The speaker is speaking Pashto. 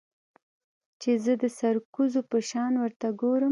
چې زه د سرکوزو په شان ورته گورم.